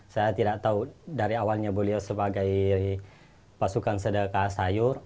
saya tidak tahu dari awalnya beliau sebagai pasukan sedekah sayur